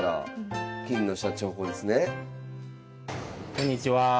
こんにちは。